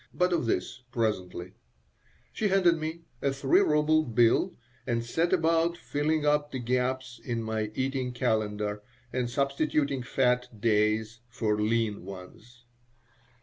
But of this presently She handed me a three ruble bill and set about filling up the gaps in my eating calendar and substituting fat "days" for lean ones.